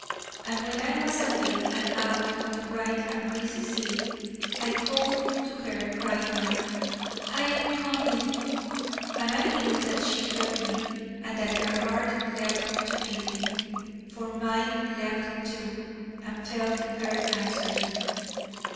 And when I was away, and out on the bright and breezy sea, I called to her, crying out: 'I am coming!' And I knew that she heard me, and that her heart leapt to meet me, for mine leapt, too, and felt her answering.